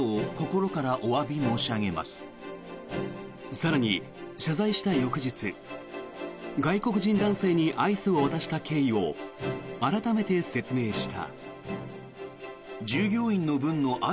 更に、謝罪した翌日外国人男性にアイスを渡した経緯を改めて説明した。